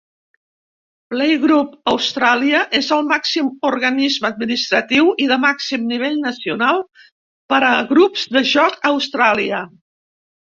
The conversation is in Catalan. Playgroup Australia és el màxim organisme administratiu i de màxim nivell nacional per a grups de joc a Austràlia.